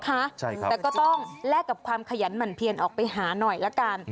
ดีนะคะใช่ครับแต่ก็ต้องแลกกับความขยันหมั่นเพียนออกไปหาหน่อยละกัน